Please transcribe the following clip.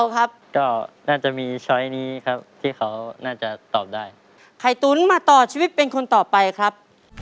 ไข่ตุ๋นมาต่อชีวิตเป็นคนต่อไปครับ